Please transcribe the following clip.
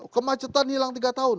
kemacetan hilang tiga tahun